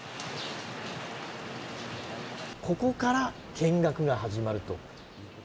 ここから見学が始まると。